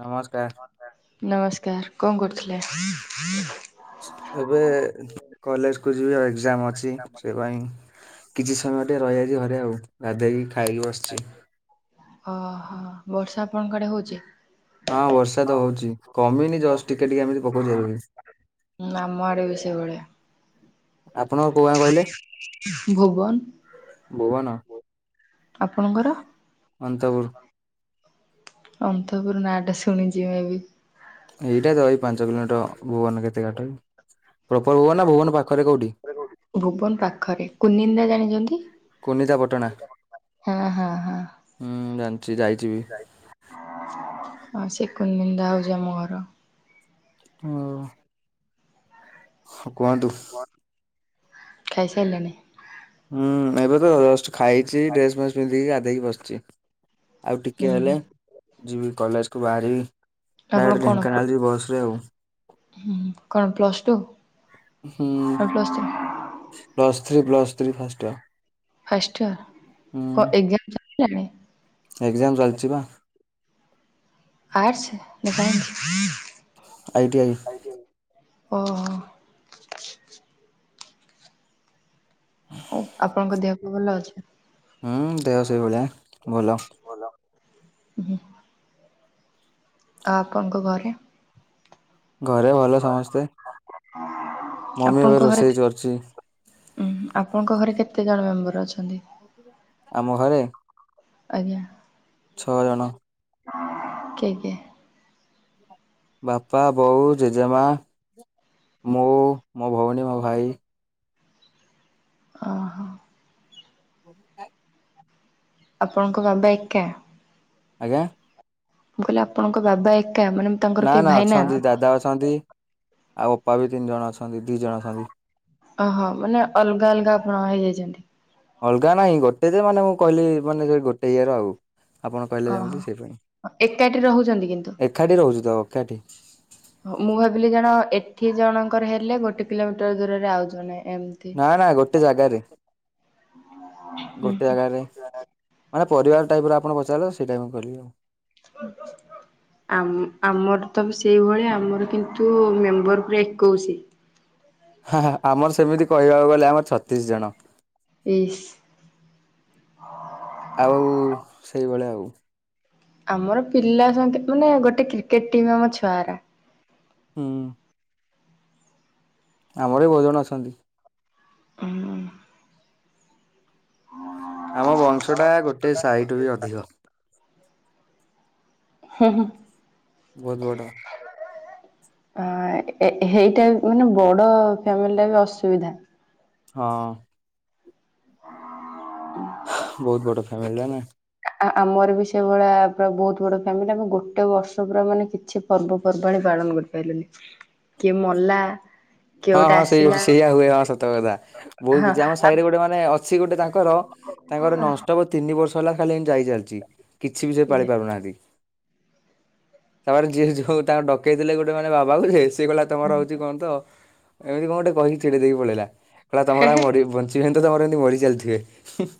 ନମସ୍କାର। ନମସ୍କାର। କଣ କରୁଥିଲେ? ଏବେ କଲେଜ କୁ ଯିବି। ଆଉ ଏକ୍ଜାମ ଅଛି। ସେ ପାଇଁ କିଛି ସମୟ ଟିକେ ରହିଯାଇଛି ଘରେ ଆଉ। ଗାଧେଇକି ଖାଇକି ବସିଛି। ଅହ, ବର୍ଷା ଆପଣଙ୍କ ଆଡେ ହଉଛି? ହଁ, ବର୍ଷା ତ ହଉଛି। କମିନି ଜଷ୍ଟ ଟିକେ ଟିକେ ଏମିତି ପକଉଛି, ଏବେବି। ହୁଁ, ଆମ ଆଡେ ବି ସେଇଭଳିଆ। ଆପଣଙ୍କ କୋଉ ଆଁ କହିଲେ? ଭୁବନ ଭୁବନ! ଆପଣଙ୍କର? ଅନ୍ତପୁର। ଅନ୍ତପୁର ନାଁଟା ଶୁଣିଛି, ମେ ବି। ଏଇଟା ତ ଏଇ ପାଞ୍ଚ କିଲୋମିଟର ଭୁବନ କେତେ ଗାଟ କି? ପ୍ରପର ଭୁବନ ନା ଭୁବନ ପାଖରେ କୋଉଠି ଭୁବନ ପାଖରେ, କୁନିନ୍ଦା ଜାଣିଛନ୍ତି? କୁନିତା ପଟଣା ହଁ ହଁ ହଁ ହୁଁ, ଜାଣିଛି ଯାଇଛି ବି। ଆ ସେ କୁନିନ୍ଦା ହଉଛି, ଆମ ଘର। ହ। ହ କୁହନ୍ତୁ। ଖାଇ ସାଇଲେଣି? ହୁଁ, ଏବେ ଜଷ୍ଟ ଖାଇଛି। ଡ୍ରେସ୍ ଫେସ୍ ପିନ୍ଧିକି ଗାଧେଇକି ବସିଛି। ଆଉ ଉଁ ଟିକେ ହୁଁ ହେଲେ, ଯିବି କଲେଜ କୁ ବାହାରିବି। ଆପଣ ଡାଇରେକ୍ଟ କଣ ଢେଙ୍କାନାଳ ଯିବି ବସ୍ ରେ ଆଉ। ହୁଁ କଣ ପ୍ଲସ୍ ଟୁ ହୁଁ। ନା plus three? Plus three, plus three, first ହିଅ ଫାଷ୍ଟ ଇୟର! କଣ ଏକ୍ଜାମ ଚାଲିଲାଣି? ଏକ୍ଜାମ ଚାଲିଚି ବା। ଆର୍ଟ୍ସ ନା ସାଇନ୍ସ? I T I. ଓହୋ! ଉ ଆପଣଙ୍କ ଦେହ ଫେହ ଭଲ ଅଛି? ହୁଁ, ଦେହ ସେଇ ଭଳିଆ ଭଲ। ଉ ହୁଁ। ଆ ଆପଙ୍କ ଘରେ? ଘରେ ଭଲ ସମସ୍ତେ। ମମି ଏବେ ରୋଷେଇ ଚରୁଚି। ଉଁହୁ, ଆପଣଙ୍କ ଘରେ କେତେ ଜଣ ମେମ୍ବର ଅଛନ୍ତି? ଆମ ଘରେ? ଆଜ୍ଞା! ଛଅ ଜଣ। କିଏ କିଏ? ବାପା, ବୋଉ, ଜେଜେମା, ମୁଁ, ମୋ ଭଉଣୀ, ମୋ ଭାଇ। ଅହ। ହ [inaudible] ଆପଣଙ୍କ ବାବା ଏକା। ଆଜ୍ଞା। ମୁଁ କହିଲି ଆପଣଙ୍କ ବାବା ଏକା ମାନେ ତାଙ୍କର ନା କେହି ନା ଭାଇ ନାହାନ୍ତି? ଅଛନ୍ତି ଦାଦା ଅଛନ୍ତି ଆଉ ଅପା ବି ତିନି ଜଣ ଅଛନ୍ତି ଦି ଜଣ ଅଛନ୍ତି। ଓହୋ ମାନେ ଅଲଗା ଅଲଗା ଆପଣ ହେଇଯାଇଛନ୍ତି? ଅଲଗା ନାହିଁ ଗୋଟେ ଯେ ମାନେ ମୁଁ କହିଲି ମାନେ ସେ ଗୋଟେ ଇଏ ରେ ଆଉ। ଆପଣ କହିଲେ ଓହୋ ଯେମିତି ସେଇପାଇଁ ଏକାଠି ରହୁଛନ୍ତି କିନ୍ତୁ? ଏକାଠି ରହୁଛୁ ତ ଏକାଠି। ହଉ ମୁଁ ଭାବିଲି ଜଣ ଏଠି ଜଣଙ୍କର ହେଲେ ଗୋଟେ କିଲୋମିଟର ଦୂରରେ ଆଉ ଜଣେ ଏମ ନା ନା ଗୋଟେ ଜାଗାରେ ଗୋଟେ ଜାଗାରେ। ମାନେ ପରିବାର ଟାଇପର ଆପଣ ପଚାରିଲେ ସେଇ ଟା ହି ମୁଁ କହିଲି ଆଉ। ଆମ ଆମର ତ ଆମେ ସେଇଭଳିଆ ଆମର କିନ୍ତୁ ମେମ୍ବର ପୁରା ଏକୋଉଶି। ହଁ ହଁ ଆମର ସେମିତି କହିବାକୁ ଗଲେ ଆମର ଛତିଶ ଜଣ। ଇସ୍। ଆଉ ସେଇଭଳିଆ ଆଉ। ଆମର ପିଲା ସଙ୍ଗେ ମାନେ ଗୋଟେ କ୍ରିକେଟ ଟିମ୍ ଆମ ଛୁଆ ଗୁରା। ହୁଁ। ଆମର ବି ବହୁତ ଜଣ ଅଛନ୍ତି। ହୁଁ। ଆମ ବଂଶଟା ଗୋଟେ ସାହି ଠୁ ବି ଅଧିକ। ହୁଁ ହୁଁ। ବହୁତ ବଡ଼। ଆ ଏ ଏ ହେଇଟା ମାନେ ବଡ ଫ୍ୟାମିଲିଟା ବି ଅସୁବିଧା। ହଁ। ବହୁତ ବଡ ଫ୍ୟାମିଲି ଟା ନା। ଆ ଆମର ବି ସେଇଭଳିଆ ପୁରା ବହୁତ ବଡ ଫ୍ୟାମିଲି ଆମେ ଗୋଟେ ବର୍ଷ ପୁରା ମାନେ କିଛି ପର୍ବପର୍ବାଣି ପାଳନ କ ପାଇଲୁନି କିଏ ମଲା। କିଏ ହଁ ଗୋଟେ ହଁ ସେଇ ଆସିଲା ଅଛି ସେୟା ହୁଏ ଆଉ ସତ କଥା। ବହୁତ ହଁ କିଛି ଆମ ସାହିରେ ଗୋଟେ ମାନେ ଅଛି ଗୋଟେ ତାଙ୍କର ତାଙ୍କର ନଷ୍ଟ ତିନି ବର୍ଷ ହେଲା ଖାଲି ଏନ ଯାଇ ଚାଲିଛି କିଛି ବି ସେ ପାଳି ପାରୁନାହାନ୍ତି। ତାପରେ ଯିଏ ଯୋଉ ତାଙ୍କୁ ଡକେଇ ଥିଲେ ଗୋଟେ ମାନେ ବାବାକୁ ଯେ ସିଏ କହଲା ତମର ହଉଛି କଣ ତ। ଏମିତି କଣ ଗୋଟେ କହିକି ଚିଡ଼େଇ ଦେଇକି ପଳେଇଲା କହିଲା ତମର ଆଉ ମରିବ ବଞ୍ଚ ଏମିତି ତ ତାଙ୍କର ଏମିତି ମରି ଚାଲିଥିବେ ହୁଁ।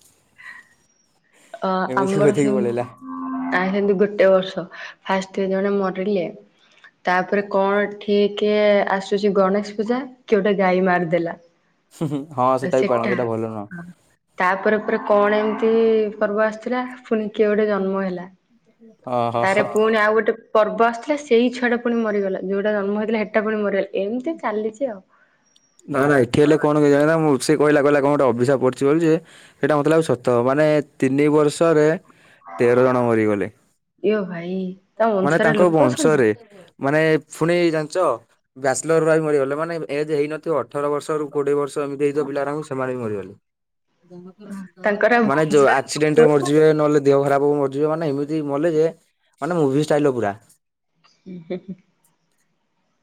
ଅ ଆମର କହିଦେଇକି ସେମ ପଳେଇଲା ଆ ସେମିତି ଗୋଟେ ବର୍ଷ ଫାର୍ଷ୍ଟ ଜଣେ ମରିଲେ। ତାପରେ କଣ ଠିକେ ଆସୁଛି ଗଣେଶ ପୂଜା। କିଏ ଗୋଟେ ଗାଈ ମାରିଦେଲା। ହୁଁ ହୁଁ ହଁ ସେଟା ବି ପାଳନ୍ତି ସେଟା ଭଲ ନୁହଁ। ତାପରେ ପରେ ପରେ କଣ ଏମିତି ପର୍ବ ଆସିଥିଲା ପୁଣି କିଏ ଗୋଟେ ଜନ୍ମ ହେଲା। ଓହୋ ହୋ ତାରେ ପୁଣି ଆଉ ଗୋଟେ। ପର୍ବ ଆସିଥିଲା ସେଇ ଛୁଆଟା ପୁଣି ମରିଗଲା ଯଉଟା ଜନ୍ମ ହେଇଥିଲା ହେଟା ପୁଣି ମରିଗଲା ଏମିତି ଚାଲିଛି ଆଉ। ନା ନା ଏଠି ହେଲେ କଣ କେଜାଣା ଆମକୁ ସେ କହିଲା କହିଲା କଣ ଗୋଟେ ଅଭିଶାପ ପଡିଚି ବୋଲି ଯେ। ସେଇଟା ମତେ ଲାଗୁଚି ସତ ମାନେ ତିନି ବର୍ଷରେ। ତେର ଜଣ ମରିଗଲେ ଇଏ ଭାଇ ତା ମାନେ ବଂଶରେ ତାଙ୍କ ଲୋକ ଅଛନ୍ତି ବଂଶରେ। ମାନେ ଫୁଣି ଜାଣିଛ ବ୍ୟାଚଲର ଭାଇ ମରିଗଲେ ମାନେ ଏବେ ଏଜେ ହେଇନ ଥିବ ଅଠର ବର୍ଷରୁ କୋଡିଏ ବର୍ଷ ଏମିତି ହେଇଥିବ ପିଲାରାଙ୍କୁ ସେମାନେ ବି ମରିଗଲେ। ତାଙ୍କର ମାନେ ଯୋଉ ବଂଶରେ ଲୋକ ଆକ୍ସିଡେଣ୍ଟରେ ଅଛନ୍ତି। ମରିଯିବେ ନହେଲେ। ଦେହ ଖରାପ ହବ ମରିଯିବେ ମାନେ ଏମିତି ମଲେ ଯେ ମାନେ ମୁଭି ଷ୍ଟାଇଲର ପୁରା। [inaudible]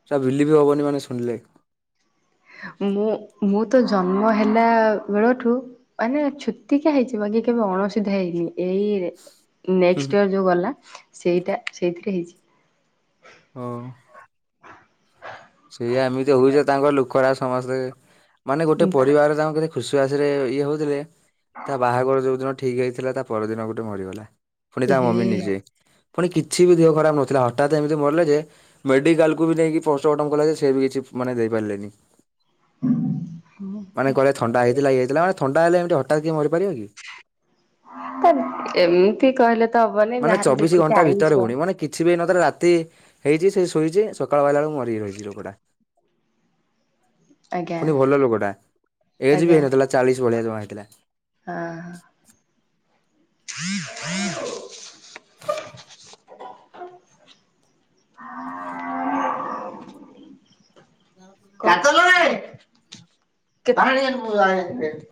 ସେଟା ଭିଲିବି ବି ହବନି ମାନେ ଶୁଣିଲେ। ମୁଁ ମୁଁ ତ ଜନ୍ମ ହେଲା ବେଳଠୁ ମାନେ ଛୁତିକା ହେଇଚି ବାକି କେବେ ଅଣଶୁଦ୍ଧିଆ ହେଇନି ଏଇରେ ହୁଁ ନେଷ୍ଟ୍ଇୟର ଯୋଉ ଗଲା ସେଇଟା ସେଇଥିରେ ହେଇଚି। ହଉ। ସେଇଆ ଏମିତି ହଉଚି ଯେ ତାଙ୍କ ଲୋକରା ସମସ୍ତେ ମାନେ ଗୋଟେ ପରିବାର ତାଙ୍କୁ କେତେ ଖୁସିବାସି ରେ ଇଏ ହେଉଥିଲେ ତା ବାହାଘର ଯୋଉ ଦିନ ଠିକ୍ ହେଇଥିଲା ତା ପରଦିନ ଗୋଟେ ମରିଗଲା। ପୁଣି ଏ ତା ମମି ହେ ନିଜେ। ପୁଣି କିଛି ବି ଦେହ ଖରାପ ନଥିଲା ହଠାତ୍ ଏମିତି ମରିଲେ ଯେ ମେଡିକାଲକୁ ବି ନେଇକି ପୋ ଷ୍ଟ ମଟମ୍ କଲା ଯେ ସେ ବି କିଛି ମାନେ ଦେଇପାରିଲେନି ମାନେ କହେଲ ଥଣ୍ଡା ହେଇଥିଲା ଇଏ ହେଇଥିଲା ମାନେ ଥଣ୍ଡା ହେଲେ ଏମତିି ହଠାତ୍ କିଏ ମରିପାରିବ କି? ତ ଏମିତି କହିଲେ ତ ହବନି ମାନେ ଯାହାର ଚବିଶି ଯେତିକି ଘଣ୍ଟା ଭିତରେ ଆୟୁଷ। ପୁଣି ମାନେ କିଛି ବି ନଥିଲେ ରାତି ହେଇଚି ସେ ଶୋଇଚି ସକାଳୁ ପାଇଲା ବେଳକୁ ମରିକି ରହିଚି ଲୋକ ଟା। ଆଜ୍ଞା ପୁଣି ଭଲ ଲୋକଟା ଏଜ ବି ହେଇନଥିଲା ଚାଳିଶ ଭଳିଆ ଜମା ହେଇଥିଲା। ଅ ହଁ [inaudible] [inaudible] [unintelligible]